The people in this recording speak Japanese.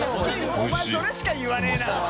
お前それしか言わないな。